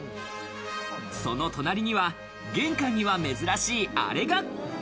その隣には、玄関には珍しいあれが。